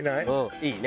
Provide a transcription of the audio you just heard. いいね。